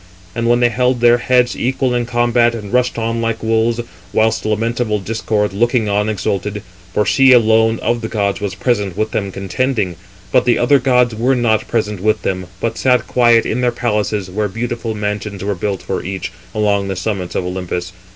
And they held their heads equal in combat, and rushed on like wolves; whilst lamentable Discord, looking on, exulted: for she alone of the gods was present with them contending. But the other gods were not present with them, but sat quiet in their palaces, where beautiful mansions were built for each, along the summits of Olympus.